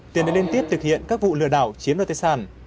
tiền đã liên tiếp thực hiện các vụ lừa đảo chiếm đoạt tài sản